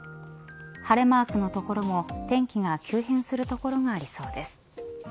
晴れマークの所も天気が急変する所がありそうです。